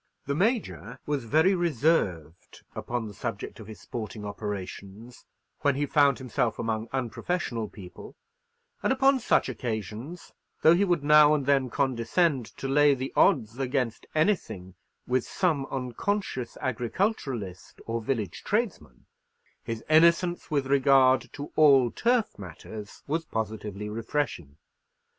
The Major was very reserved upon the subject of his sporting operations when he found himself among unprofessional people; and upon such occasions, though he would now and then condescend to lay the odds against anything with some unconscious agriculturalist or village tradesman, his innocence with regard to all turf matters was positively refreshing.